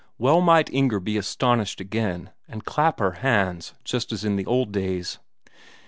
Well might Inger be astonished again, and clap her hands just as in the old days.